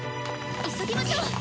急ぎましょう！